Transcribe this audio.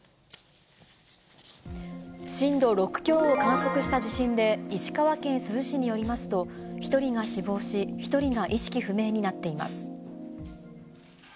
震度６強を観測した地震で、石川県珠洲市によりますと、１人が死亡し、１人が意識不明になっています。